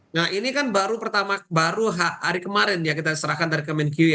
nah ini kan baru hari kemarin yang kita serahkan dari kemenkiwi